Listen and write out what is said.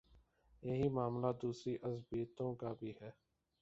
یہی معاملہ دوسری عصبیتوں کا بھی ہے۔